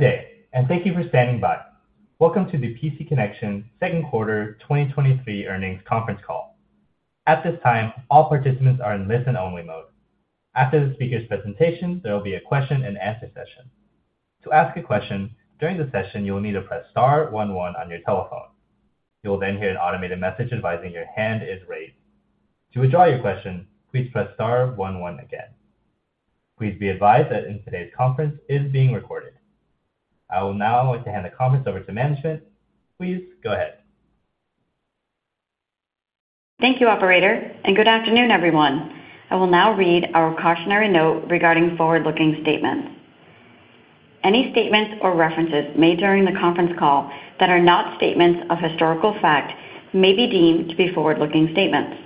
Good day, and thank you for standing by. Welcome to the PC Connection Second Quarter 2023 Earnings Conference Call. At this time, all participants are in listen-only mode. After the speaker's presentation, there will be a question-and-answer session. To ask a question during the session, you will need to press star one one on your telephone. You will then hear an automated message advising your hand is raised. To withdraw your question, please press star one one again. Please be advised that in today's conference is being recorded. I will now like to hand the conference over to management. Please go ahead. Thank you, operator, and good afternoon, everyone. I will now read our cautionary note regarding forward-looking statements. Any statements or references made during the conference call that are not statements of historical fact may be deemed to be forward-looking statements.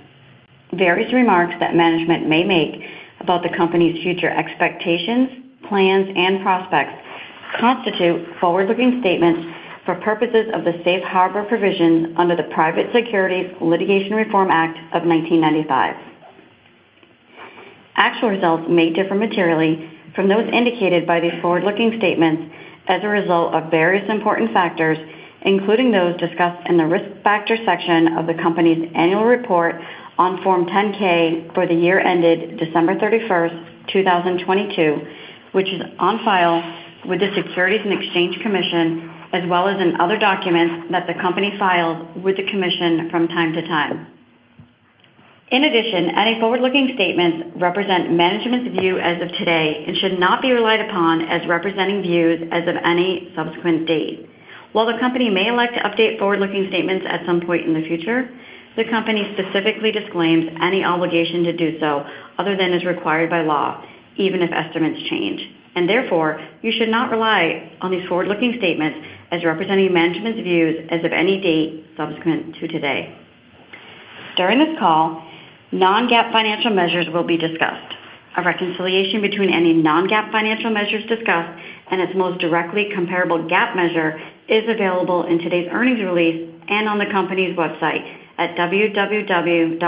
Various remarks that management may make about the company's future expectations, plans, and prospects constitute forward-looking statements for purposes of the safe harbor provisions under the Private Securities Litigation Reform Act of 1995. Actual results may differ materially from those indicated by these forward-looking statements as a result of various important factors, including those discussed in the Risk Factors section of the company's annual report on Form 10-K for the year ended December 31st, 2022, which is on file with the Securities and Exchange Commission, as well as in other documents that the company files with the commission from time to time. In addition, any forward-looking statements represent management's view as of today and should not be relied upon as representing views as of any subsequent date. While the company may elect to update forward-looking statements at some point in the future, the company specifically disclaims any obligation to do so other than as required by law, even if estimates change, and therefore, you should not rely on these forward-looking statements as representing management's views as of any date subsequent to today. During this call, non-GAAP financial measures will be discussed. A reconciliation between any non-GAAP financial measures discussed and its most directly comparable GAAP measure is available in today's earnings release and on the company's website at www.connection.com.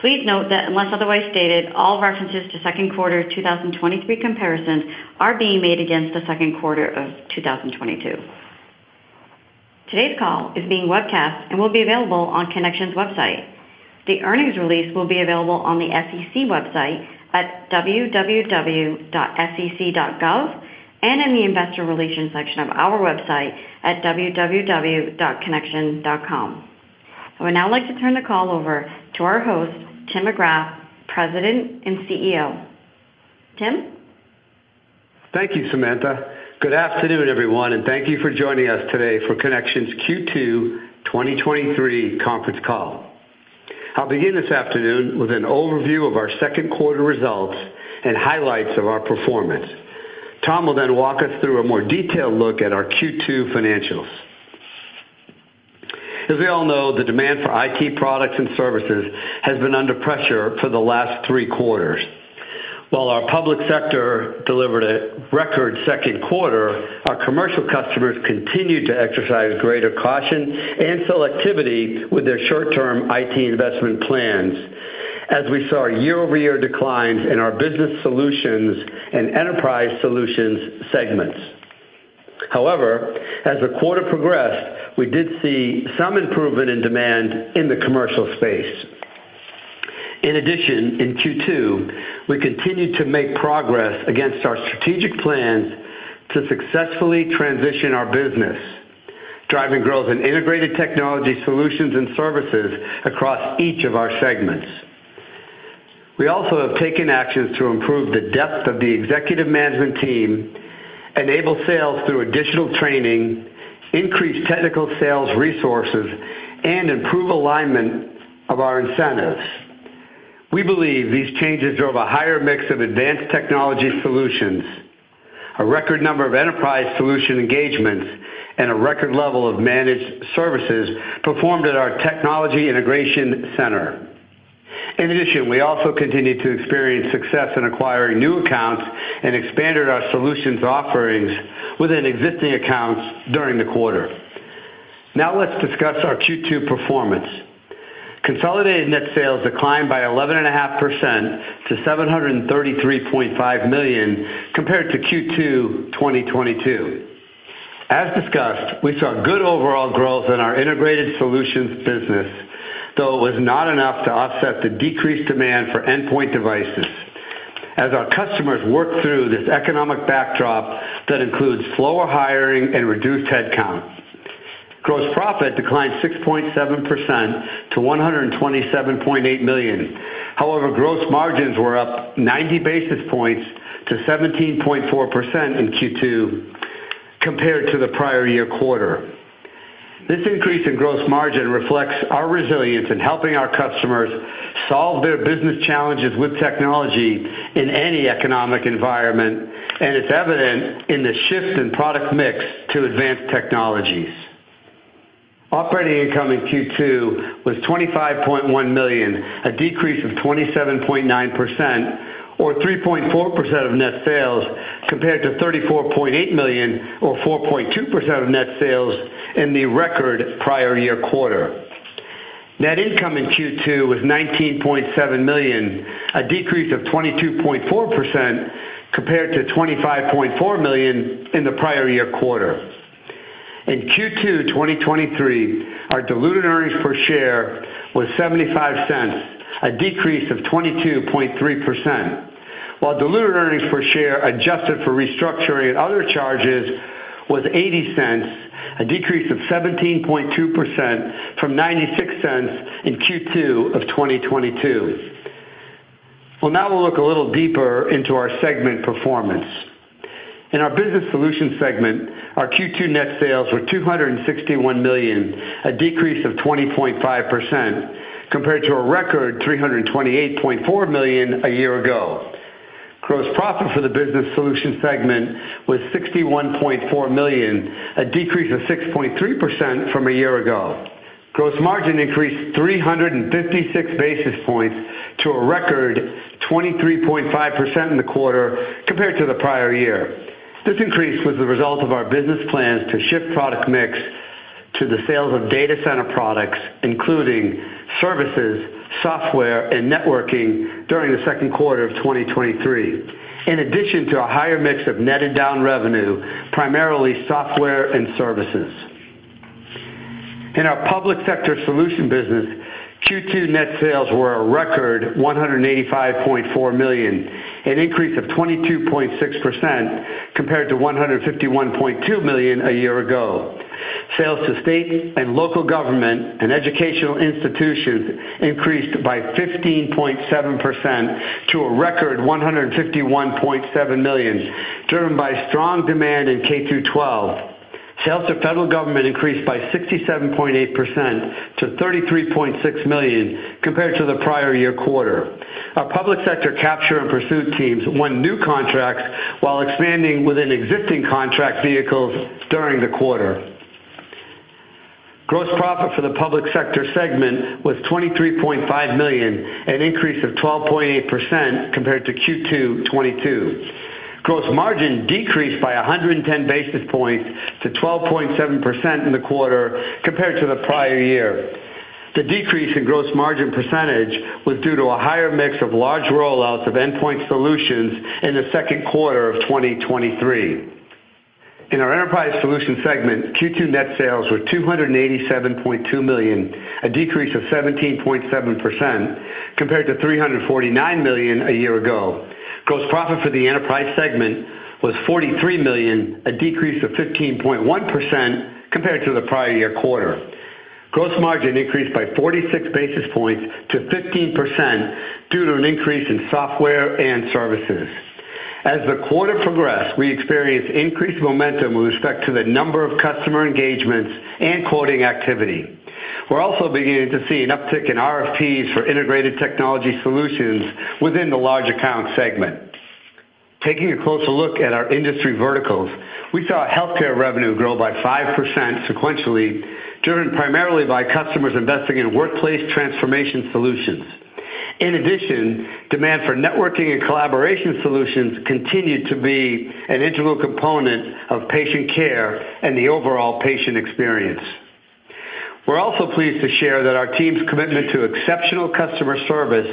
Please note that unless otherwise stated, all references to second quarter 2023 comparisons are being made against the second quarter of 2022. Today's call is being webcast and will be available on Connection's website. The earnings release will be available on the SEC website at www.sec.gov and in the investor relations section of our website at www.connection.com. I would now like to turn the call over to our host, Tim McGrath, President and CEO. Tim? Thank you, Samantha. Good afternoon, everyone, thank you for joining us today for Connection's Q2 2023 conference call. I'll begin this afternoon with an overview of our second quarter results and highlights of our performance. Tom will then walk us through a more detailed look at our Q2 financials. As we all know, the demand for IT products and services has been under pressure for the last three quarters. While our public sector delivered a record second quarter, our commercial customers continued to exercise greater caution and selectivity with their short-term IT investment plans, as we saw year-over-year declines in our Business Solutions and Enterprise Solutions segments. However, as the quarter progressed, we did see some improvement in demand in the commercial space. In addition, in Q2, we continued to make progress against our strategic plans to successfully transition our business, driving growth in integrated technology solutions and services across each of our segments. We also have taken actions to improve the depth of the executive management team, enable sales through additional training, increase technical sales resources, and improve alignment of our incentives. We believe these changes drove a higher mix of advanced technology solutions, a record number of Enterprise Solution engagements, and a record level of managed services performed at our Technology Integration Center. In addition, we also continued to experience success in acquiring new accounts and expanded our solutions offerings within existing accounts during the quarter. Now, let's discuss our Q2 performance. Consolidated net sales declined by 11.5% to $733.5 million, compared to Q2 2022. As discussed, we saw good overall growth in our integrated solutions business, though it was not enough to offset the decreased demand for endpoint devices as our customers work through this economic backdrop that includes slower hiring and reduced headcount. Gross profit declined 6.7% to $127.8 million. However, gross margins were up 90 basis points to 17.4% in Q2 compared to the prior year quarter. This increase in gross margin reflects our resilience in helping our customers solve their business challenges with technology in any economic environment, and it's evident in the shift in product mix to advanced technologies. Operating income in Q2 was $25.1 million, a decrease of 27.9% or 3.4% of net sales, compared to $34.8 million or 4.2% of net sales in the record prior year quarter. Net income in Q2 was $19.7 million, a decrease of 22.4% compared to $25.4 million in the prior year quarter. In Q2 2023, our diluted earnings per share was $0.75, a decrease of 22.3%, while diluted earnings per share, adjusted for restructuring and other charges, was $0.80, a decrease of 17.2% from $0.96 in Q2 2022. Well, now we'll look a little deeper into our segment performance. In our Business Solutions segment, our Q2 net sales were $261 million, a decrease of 20.5% compared to a record $328.4 million a year ago. Gross profit for the Business Solutions segment was $61.4 million, a decrease of 6.3% from a year ago. Gross margin increased 356 basis points to a record 23.5% in the quarter compared to the prior year. This increase was the result of our business plans to shift product mix to the sales of data center products, including services, software, and networking during the second quarter of 2023, in addition to a higher mix of net and down revenue, primarily software and services. In our Public Sector Solutions business, Q2 net sales were a record $185.4 million, an increase of 22.6% compared to $151.2 million a year ago. Sales to state and local government and educational institutions increased by 15.7% to a record $151.7 million, driven by strong demand in K-12. Sales to federal government increased by 67.8% to $33.6 million compared to the prior year quarter. Our public sector capture and pursuit teams won new contracts while expanding within existing contract vehicles during the quarter. Gross profit for the public sector segment was $23.5 million, an increase of 12.8% compared to Q2 2022. Gross margin decreased by 110 basis points to 12.7% in the quarter compared to the prior year. The decrease in gross margin percentage was due to a higher mix of large rollouts of endpoint solutions in Q2 2023. In our Enterprise Solutions segment, Q2 net sales were $287.2 million, a decrease of 17.7% compared to $349 million a year ago. Gross profit for the Enterprise segment was $43 million, a decrease of 15.1% compared to the prior year quarter. Gross margin increased by 46 basis points to 15% due to an increase in software and services. As the quarter progressed, we experienced increased momentum with respect to the number of customer engagements and quoting activity. We're also beginning to see an uptick in RFPs for integrated technology solutions within the large account segment. Taking a closer look at our industry verticals, we saw healthcare revenue grow by 5% sequentially, driven primarily by customers investing in workplace transformation solutions. In addition, demand for networking and collaboration solutions continued to be an integral component of patient care and the overall patient experience. We're also pleased to share that our team's commitment to exceptional customer service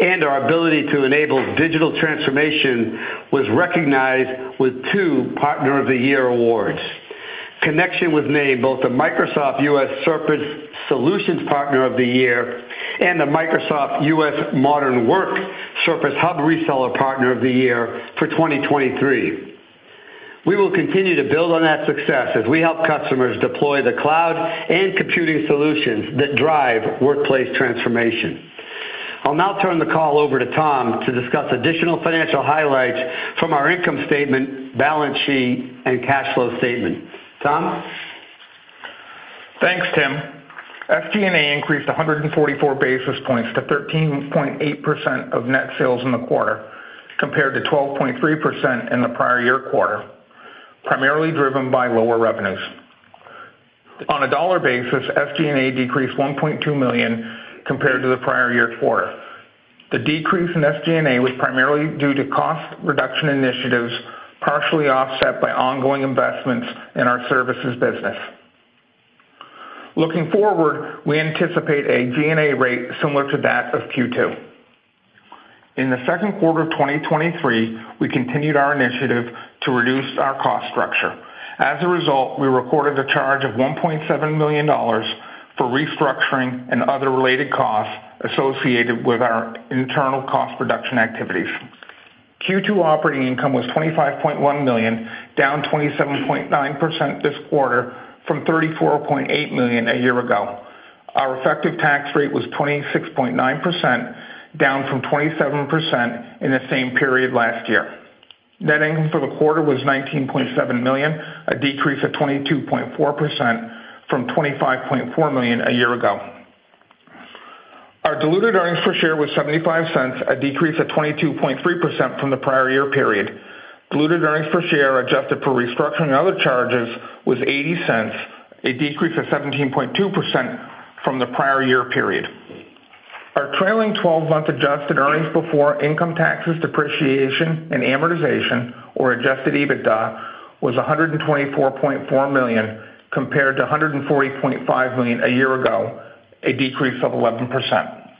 and our ability to enable digital transformation was recognized with two Partner of the Year awards. Connection was named both the Microsoft US Surface Solutions Partner of the Year and the Microsoft US Modern Work Surface Hub Reseller Partner of the Year for 2023. We will continue to build on that success as we help customers deploy the cloud and computing solutions that drive workplace transformation. I'll now turn the call over to Tom to discuss additional financial highlights from our income statement, balance sheet, and cash flow statement. Tom? Thanks, Tim. SG&A increased 144 basis points to 13.8% of net sales in the quarter, compared to 12.3% in the prior year quarter, primarily driven by lower revenues. On a dollar basis, SG&A decreased $1.2 million compared to the prior year quarter. The decrease in SG&A was primarily due to cost reduction initiatives, partially offset by ongoing investments in our services business. Looking forward, we anticipate a G&A rate similar to that of Q2. In the second quarter of 2023, we continued our initiative to reduce our cost structure. As a result, we recorded a charge of $1.7 million for restructuring and other related costs associated with our internal cost reduction activities. Q2 operating income was $25.1 million, down 27.9% this quarter from $34.8 million a year ago. Our effective tax rate was 26.9%, down from 27% in the same period last year. Net income for the quarter was $19.7 million, a decrease of 22.4% from $25.4 million a year ago. Our diluted earnings per share was $0.75, a decrease of 22.3% from the prior year period. Diluted earnings per share, adjusted for restructuring and other charges, was $0.80, a decrease of 17.2% from the prior year period. Our trailing 12-month adjusted earnings before income taxes, depreciation, and amortization, or adjusted EBITDA, was $124.4 million, compared to $140.5 million a year ago, a decrease of 11%.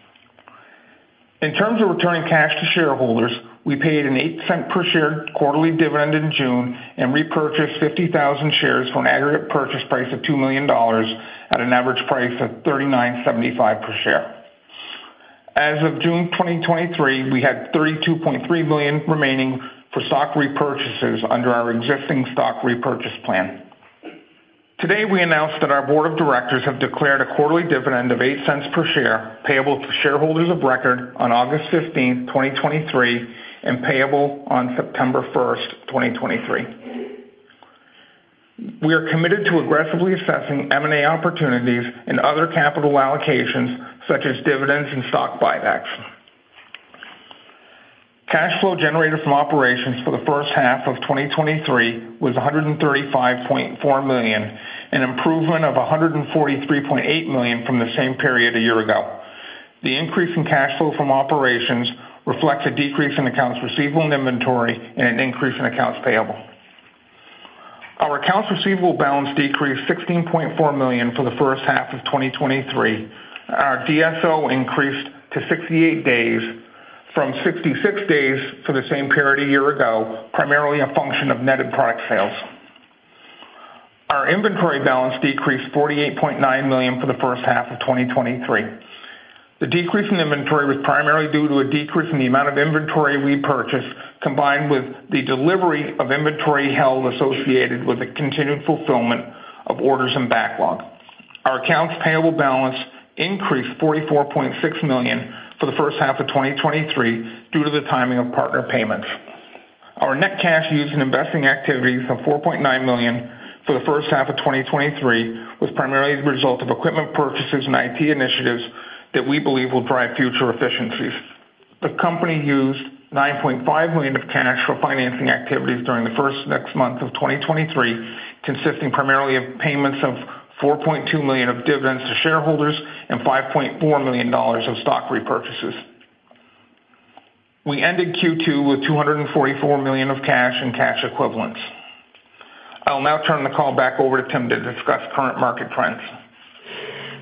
In terms of returning cash to shareholders, we paid a $0.08 per share quarterly dividend in June and repurchased 50,000 shares for an aggregate purchase price of $2 million at an average price of $39.75 per share. As of June 2023, we had $32.3 million remaining for stock repurchases under our existing stock repurchase plan. Today, we announced that our board of directors have declared a quarterly dividend of $0.08 per share, payable to shareholders of record on August 15, 2023, and payable on September 1, 2023. We are committed to aggressively assessing M&A opportunities and other capital allocations, such as dividends and stock buybacks. Cash flow generated from operations for the first half of 2023 was $135.4 million, an improvement of $143.8 million from the same period a year ago. The increase in cash flow from operations reflects a decrease in accounts receivable and inventory and an increase in accounts payable. Our accounts receivable balance decreased $16.4 million for the first half of 2023. Our DSO increased to 68 days from 66 days for the same period a year ago, primarily a function of netted product sales. Our inventory balance decreased $48.9 million for the first half of 2023. The decrease in inventory was primarily due to a decrease in the amount of inventory we purchased, combined with the delivery of inventory held associated with the continued fulfillment of orders and backlog. Our accounts payable balance increased $44.6 million for the first half of 2023 due to the timing of partner payments. Our net cash used in investing activities of $4.9 million for the first half of 2023 was primarily the result of equipment purchases and IT initiatives that we believe will drive future efficiencies. The company used $9.5 million of cash for financing activities during the first six months of 2023, consisting primarily of payments of $4.2 million of dividends to shareholders and $5.4 million of stock repurchases. We ended Q2 with $244 million of cash and cash equivalents. I'll now turn the call back over to Tim to discuss current market trends.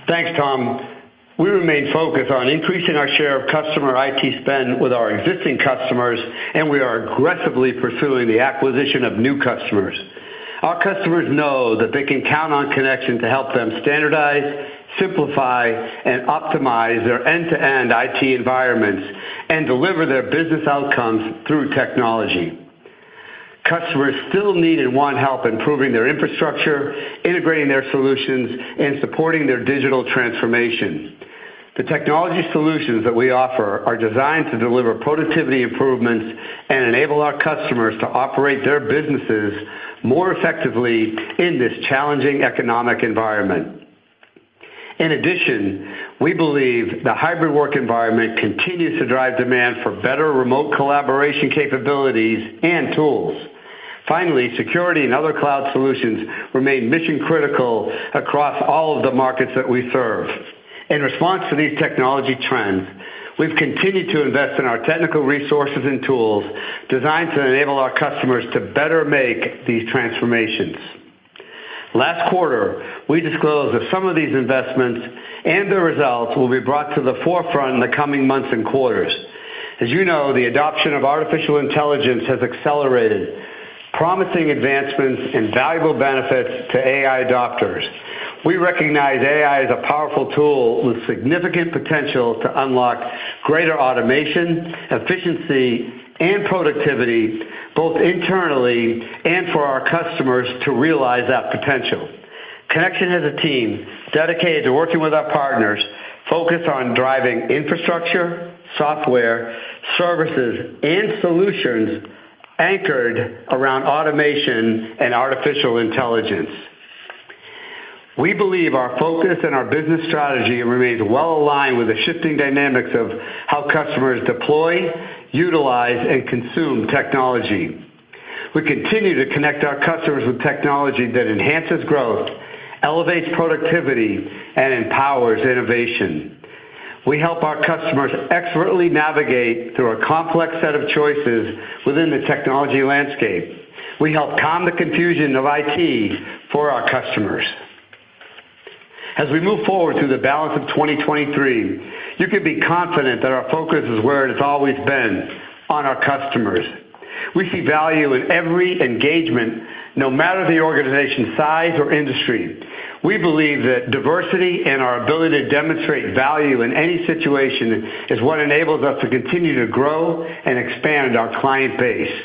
Thanks, Tom. We remain focused on increasing our share of customer IT spend with our existing customers. We are aggressively pursuing the acquisition of new customers. Our customers know that they can count on Connection to help them standardize, simplify, and optimize their end-to-end IT environments and deliver their business outcomes through technology. Customers still need and want help improving their infrastructure, integrating their solutions, and supporting their digital transformation. The technology solutions that we offer are designed to deliver productivity improvements and enable our customers to operate their businesses more effectively in this challenging economic environment. In addition, we believe the hybrid work environment continues to drive demand for better remote collaboration capabilities and tools. Finally, security and other cloud solutions remain mission-critical across all of the markets that we serve. In response to these technology trends, we've continued to invest in our technical resources and tools designed to enable our customers to better make these transformations. Last quarter, we disclosed that some of these investments and their results will be brought to the forefront in the coming months and quarters. As you know, the adoption of artificial intelligence has accelerated, promising advancements and valuable benefits to AI adopters. We recognize AI as a powerful tool with significant potential to unlock greater automation, efficiency, and productivity, both internally and for our customers to realize that potential. Connection has a team dedicated to working with our partners, focused on driving infrastructure, software, services, and solutions anchored around automation and artificial intelligence. We believe our focus and our business strategy remains well aligned with the shifting dynamics of how customers deploy, utilize, and consume technology. We continue to connect our customers with technology that enhances growth, elevates productivity, and empowers innovation. We help our customers expertly navigate through a complex set of choices within the technology landscape. We help calm the confusion of IT for our customers. As we move forward through the balance of 2023, you can be confident that our focus is where it has always been, on our customers. We see value in every engagement, no matter the organization's size or industry. We believe that diversity and our ability to demonstrate value in any situation is what enables us to continue to grow and expand our client base.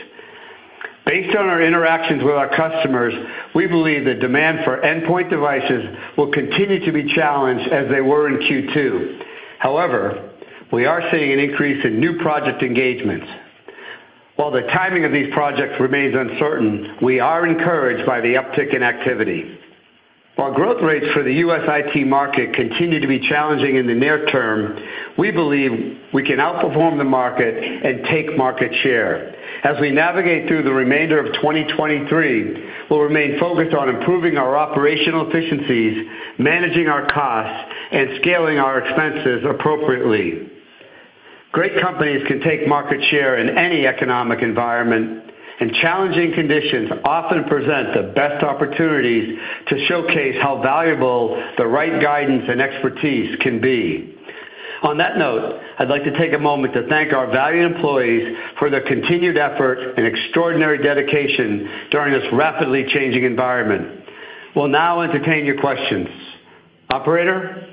Based on our interactions with our customers, we believe that demand for endpoint devices will continue to be challenged as they were in Q2. However, we are seeing an increase in new project engagements. While the timing of these projects remains uncertain, we are encouraged by the uptick in activity. While growth rates for the U.S. IT market continue to be challenging in the near term, we believe we can outperform the market and take market share. As we navigate through the remainder of 2023, we'll remain focused on improving our operational efficiencies, managing our costs, and scaling our expenses appropriately. Great companies can take market share in any economic environment, challenging conditions often present the best opportunities to showcase how valuable the right guidance and expertise can be. On that note, I'd like to take a moment to thank our valued employees for their continued effort and extraordinary dedication during this rapidly changing environment. We'll now entertain your questions. Operator?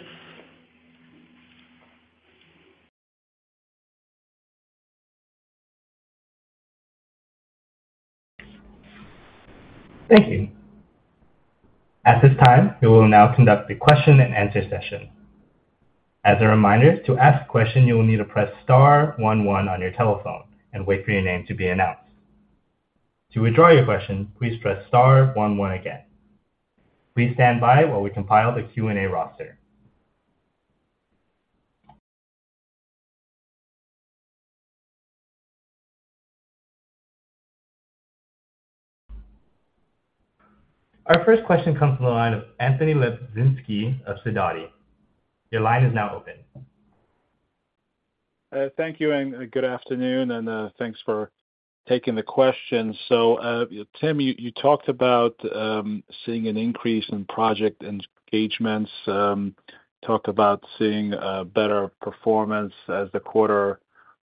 Thank you. At this time, we will now conduct a question-and-answer session. As a reminder, to ask a question, you will need to press star one one on your telephone and wait for your name to be announced. To withdraw your question, please press star one one again. Please stand by while we compile the Q&A roster. Our first question comes from the line of Anthony Lebiedzinski of Sidoti. Your line is now open. Thank you, and good afternoon, and thanks for taking the question. Tim, you, you talked about seeing an increase in project engagements, talked about seeing a better performance as the quarter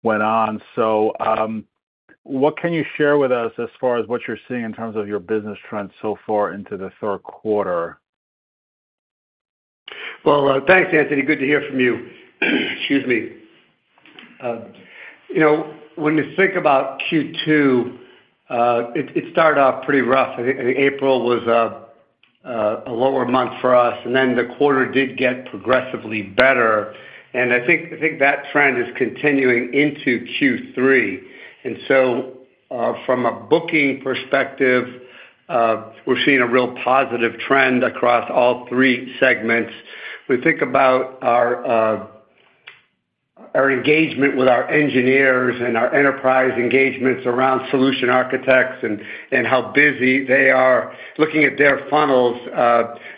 went on. What can you share with us as far as what you're seeing in terms of your business trends so far into the third quarter? Well, thanks, Anthony. Good to hear from you. Excuse me. You know, when you think about Q2, it, it started off pretty rough. I think April was a lower month for us, then the quarter did get progressively better, and I think, I think that trend is continuing into Q3. From a booking perspective, we're seeing a real positive trend across all three segments. We think about our engagement with our engineers and our enterprise engagements around solution architects and, and how busy they are. Looking at their funnels,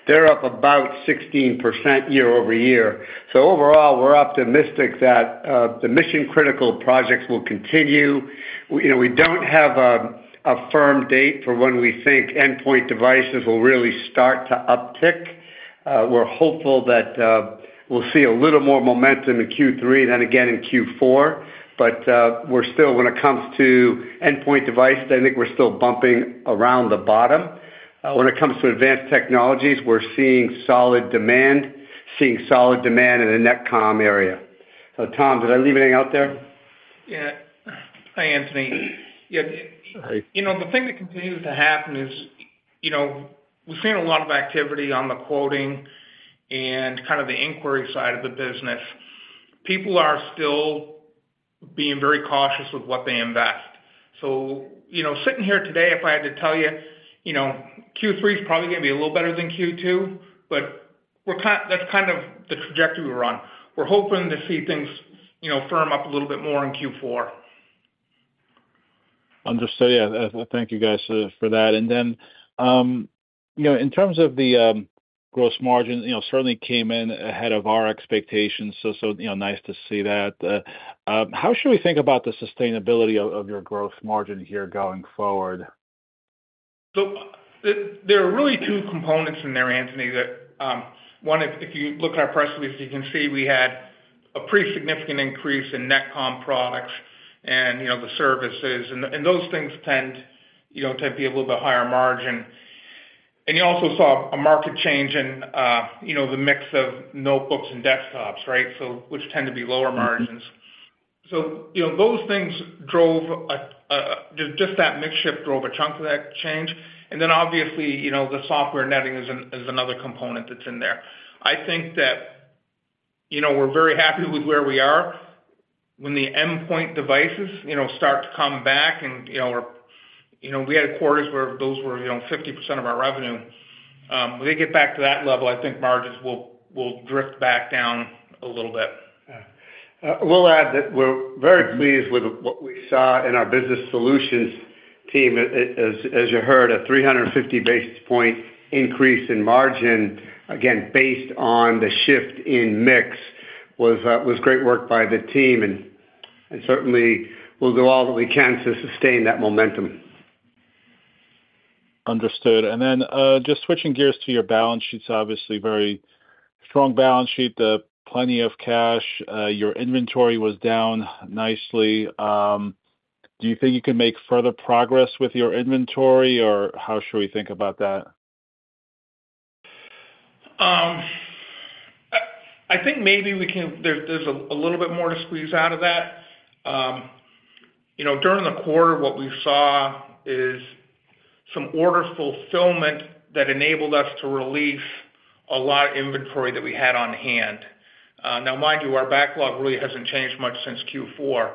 they're up about 16% year-over-year. Overall, we're optimistic that the mission-critical projects will continue. We, you know, we don't have a firm date for when we think endpoint devices will really start to uptick. We're hopeful that we'll see a little more momentum in Q3, then again in Q4. We're still when it comes to endpoint device, I think we're still bumping around the bottom. When it comes to advanced technologies, we're seeing solid demand, seeing solid demand in the NetCom area. Tom, did I leave anything out there? Yeah. Hi, Anthony. Hi. You know, the thing that continues to happen is, you know, we've seen a lot of activity on the quoting and kind of the inquiry side of the business. People are still being very cautious with what they invest. You know, sitting here today, if I had to tell you, you know, Q3 is probably gonna be a little better than Q2, but that's kind of the trajectory we're on. We're hoping to see things, you know, firm up a little bit more in Q4. Understood. Yeah, thank you guys for that. You know, in terms of the gross margin, you know, certainly came in ahead of our expectations. You know, nice to see that. How should we think about the sustainability of, of your gross margin here going forward? There, there are really two components in there, Anthony, that, one, if, if you look at our press release, you can see we had a pretty significant increase in NetCom products and, you know, the services and, and those things tend, you know, to be a little bit higher margin. You also saw a market change in, you know, the mix of notebooks and desktops, right? Which tend to be lower margins. Mm-hmm. You know, those things drove just that mix shift drove a chunk of that change. Then obviously, you know, the software netting is another component that's in there. I think that, you know, we're very happy with where we are. When the endpoint devices, you know, start to come back and, you know, we're, you know, we had quarters where those were, you know, 50% of our revenue. When they get back to that level, I think margins will, will drift back down a little bit. Yeah. We'll add that we're very pleased with what we saw in our Business Solutions team. As, as you heard, a 350 basis point increase in margin, again, based on the shift in mix, was great work by the team, and certainly we'll do all that we can to sustain that momentum. Understood. Just switching gears to your balance sheets. Obviously, very strong balance sheet, the plenty of cash, your inventory was down nicely. Do you think you can make further progress with your inventory, or how should we think about that? There's, there's a little bit more to squeeze out of that. You know, during the quarter, what we saw is some order fulfillment that enabled us to release a lot of inventory that we had on hand. Now, mind you, our backlog really hasn't changed much since Q4,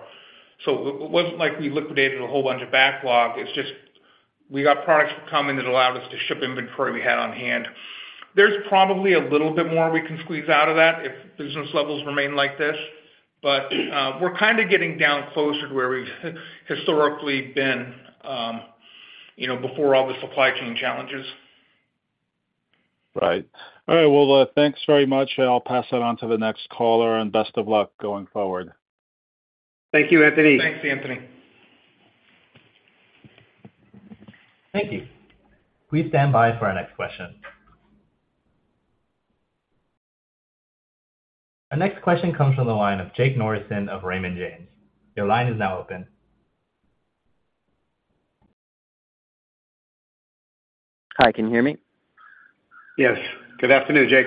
so it wasn't like we liquidated a whole bunch of backlog. It's just, we got products coming that allowed us to ship inventory we had on hand. There's probably a little bit more we can squeeze out of that if business levels remain like this, but we're kind of getting down closer to where we've historically been, you know, before all the supply chain challenges. Right. All right, well, thanks very much, and I'll pass it on to the next caller, and best of luck going forward. Thank you, Anthony. Thanks, Anthony. Thank you. Please stand by for our next question. Our next question comes from the line of Jake Norrison of Raymond James. Your line is now open. Hi, can you hear me? Yes, good afternoon, Jake.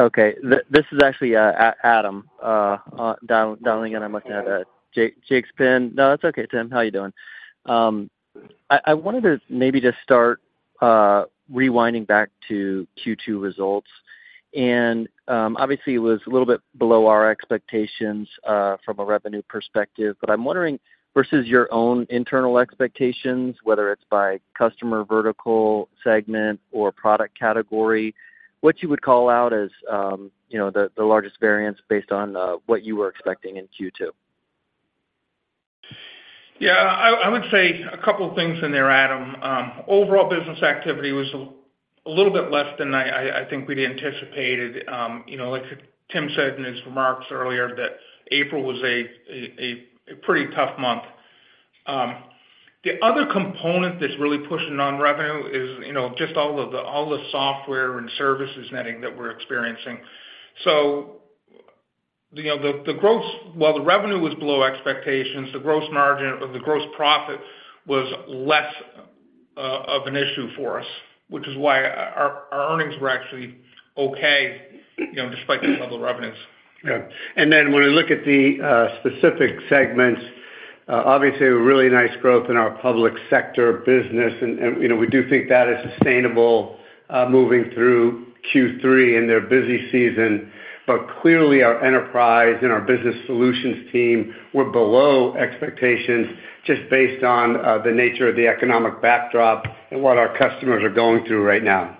Okay. Th-this is actually Adam Dowling, and I'm looking at Jake, Jake's pin. No, it's okay, Tim. How are you doing? I, I wanted to maybe just start rewinding back to Q2 results. Obviously, it was a little bit below our expectations from a revenue perspective. I'm wondering, versus your own internal expectations, whether it's by customer vertical segment or product category, what you would call out as, you know, the largest variance based on what you were expecting in Q2? Yeah, I, I would say a couple things in there, Adam. Overall business activity was a little bit less than I, I, I think we'd anticipated. You know, like Tim said in his remarks earlier, that April was a pretty tough month. The other component that's really pushing on revenue is, you know, just all of the, all the software and services netting that we're experiencing. You know, the, the gross... While the revenue was below expectations, the gross margin of the gross profit was less of an issue for us, which is why our, our earnings were actually okay, you know, despite the level of revenues. Yeah. When we look at the specific segments, obviously, a really nice growth in our Public Sector business, and, you know, we do think that is sustainable moving through Q3 in their busy season. Clearly our enterprise and our Business Solutions team were below expectations, just based on the nature of the economic backdrop and what our customers are going through right now.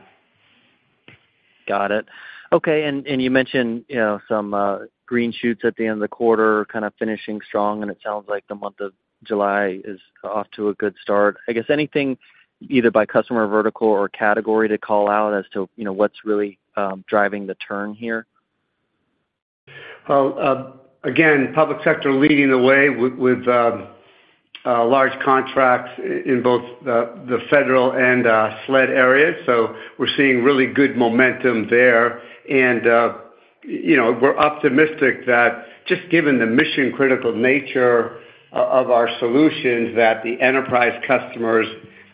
Got it. Okay, you mentioned, you know, some green shoots at the end of the quarter, kind of finishing strong, and it sounds like the month of July is off to a good start. I guess anything, either by customer vertical or category, to call out as to, you know, what's really driving the turn here? Well, again, public sector leading the way with, with large contracts in both the federal and SLED areas, so we're seeing really good momentum there. You know, we're optimistic that just given the mission-critical nature of our solutions, that the enterprise customers,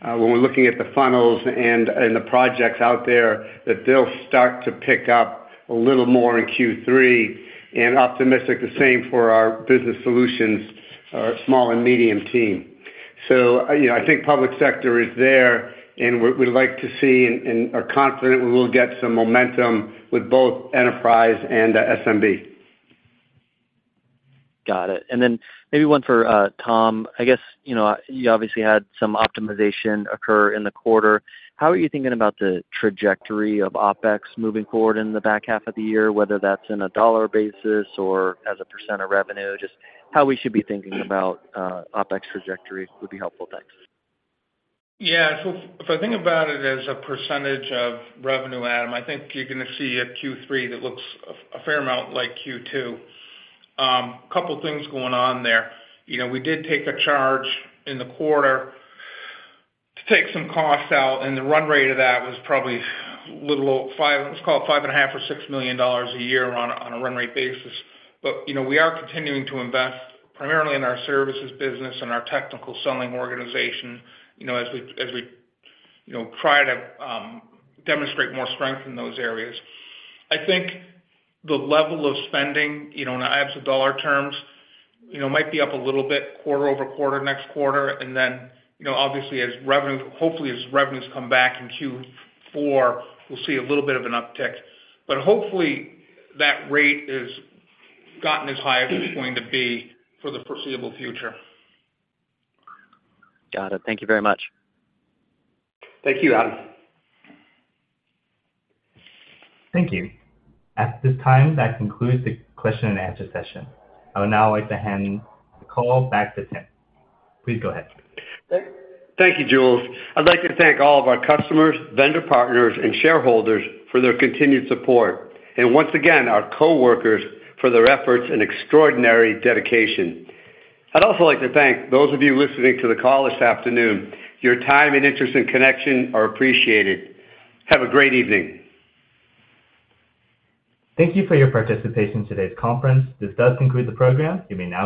when we're looking at the funnels and the projects out there, that they'll start to pick up a little more in Q3, and optimistic the same for our Business Solutions, our small and medium team. You know, I think public sector is there, and we're-we'd like to see and are confident we will get some momentum with both enterprise and SMB. Got it. Then maybe one for Tom. I guess, you know, you obviously had some optimization occur in the quarter. How are you thinking about the trajectory of OpEx moving forward in the back half of the year, whether that's in a dollar basis or as a % of revenue? Just how we should be thinking about OpEx trajectory would be helpful. Thanks. Yeah. If I think about it as a percentage of revenue, Adam, I think you're gonna see a Q3 that looks a fair amount like Q2. Couple things going on there. You know, we did take a charge in the quarter to take some costs out, and the run rate of that was probably a little over $5 million, let's call it $5.5 million or $6 million a year on a run rate basis. You know, we are continuing to invest primarily in our services business and our technical selling organization, you know, as we, as we, you know, try to demonstrate more strength in those areas. I think the level of spending, you know, in absolute dollar terms, you know, might be up a little bit quarter-over-quarter, next quarter. You know, obviously as revenue, hopefully, as revenues come back in Q4, we'll see a little bit of an uptick. Hopefully, that rate is gotten as high as it's going to be for the foreseeable future. Got it. Thank you very much. Thank you, Adam. Thank you. At this time, that concludes the question and answer session. I would now like to hand the call back to Tim. Please go ahead. Thank you, Jules. I'd like to thank all of our customers, vendor partners, and shareholders for their continued support, and once again, our coworkers for their efforts and extraordinary dedication. I'd also like to thank those of you listening to the call this afternoon. Your time and interest in Connection are appreciated. Have a great evening. Thank you for your participation in today's conference. This does conclude the program. You may now disconnect.